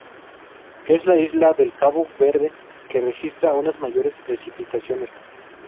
Es la isla de Cabo Verde que registra unas mayores precipitaciones.